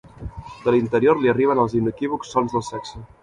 De l'interior li arriben els inequívocs sons del sexe.